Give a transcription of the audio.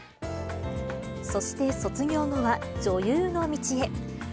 そして卒業後は女優の道へ。